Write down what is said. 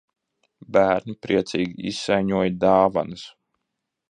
Bērni priecīgi izsaiņoja dāvanas.